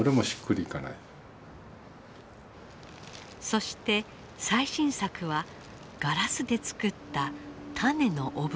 そして最新作はガラスで作った種のオブジェ。